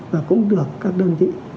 và cũng được các đơn vị đáp ứng